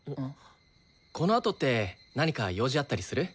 このあとって何か用事あったりする？